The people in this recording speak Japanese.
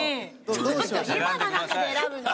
ちょっと今の中で選ぶの？